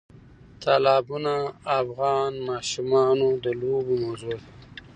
تالابونه د افغان ماشومانو د لوبو موضوع ده.